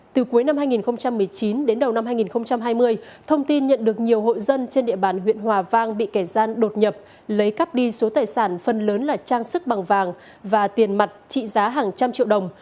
từ cuối năm hai nghìn một mươi chín đến đầu năm hai nghìn hai mươi thông tin nhận được nhiều hội dân trên địa bàn huyện hòa vang bị kẻ gian đột nhập lấy cắp đi số tài sản phần lớn là trang sức bằng vàng và tiền mặt trị giá hàng trăm triệu đồng